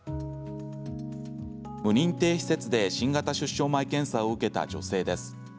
無認定施設で新型出生前検査を受けた女性です。